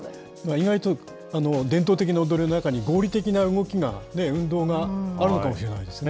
意外と伝統的な踊りの中に、合理的な動きが、運動があるのかもしれないですね。